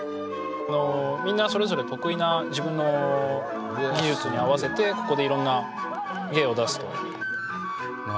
みんなそれぞれ得意な自分の技術に合わせてここで色んな芸を出すとなるほどね